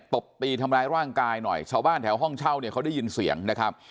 ตบตีทำร้ายร่างกายหน่อยชาวบ้านแถวห้องเช่าเนี่ยเขาได้ยินเสียงนะครับ